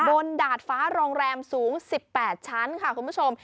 ดาดฟ้าโรงแรมสูง๑๘ชั้นค่ะคุณผู้ชม